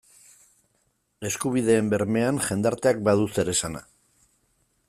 Eskubideen bermean jendarteak badu zeresana.